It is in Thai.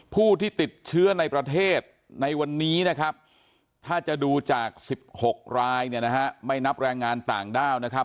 ผู้ที่ติดเชื้อในประเทศในวันนี้นะครับถ้าจะดูจาก๑๖รายเนี่ยนะฮะไม่นับแรงงานต่างด้าวนะครับ